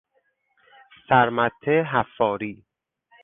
سر مته حفاری